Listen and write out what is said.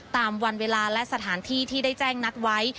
ตามวันเวลาและสถานที่ที่ได้แจ้งนัดไว้